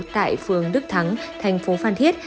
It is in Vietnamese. tại phương đức thắng thành phố phan thiết